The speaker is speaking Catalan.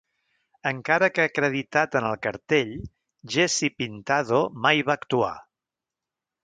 Encara que acreditat en el cartell, Jesse Pintado mai va actuar.